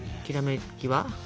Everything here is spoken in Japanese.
きらめきは？